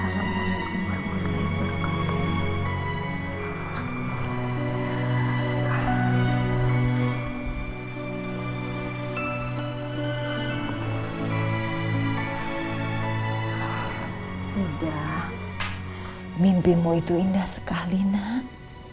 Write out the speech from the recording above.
udah mimpimu itu indah sekali nak